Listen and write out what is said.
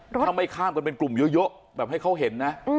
ถ้าไม่ข้ามกันเป็นกลุ่มเยอะแบบให้เขาเห็นนะ